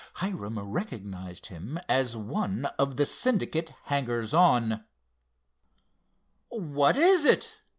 Hiram recognized him as one of the Syndicate hangers on. "What is it?"